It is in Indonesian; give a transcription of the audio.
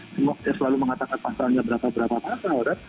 yang selalu mengatakan pasalnya berapa berapa pasal